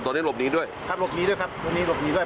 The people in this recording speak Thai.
ได้หลบหนีด้วยครับหลบหนีด้วยครับตัวนี้หลบหนีด้วย